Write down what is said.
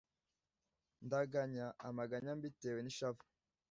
Ndaganya amaganya mbitewe n‘ishavu